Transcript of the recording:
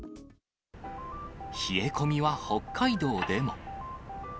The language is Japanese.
冷え込みは北海道でも。